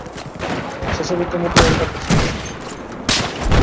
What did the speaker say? সেসব ইতোমধ্যেই ওর কাছে ছিল।